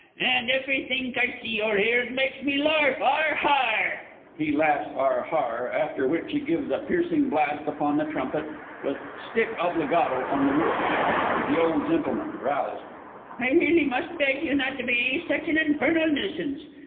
And heverythink I see or 'ear, it makes me larf 'Ar har!'" [He laughs "Ar har," after which he gives a piercing blast upon the trumpet, with stick obbligato on the roof. THE O. G. (roused). I really must beg you not to be such an infernal nuisance!